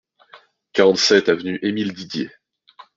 quarante-sept avenue Émile Didier